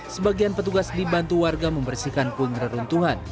sebagian petugas dibantu warga membersihkan pun reruntuhan